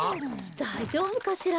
だいじょうぶかしら。